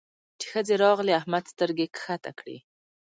چې ښځې راغلې؛ احمد سترګې کښته کړې.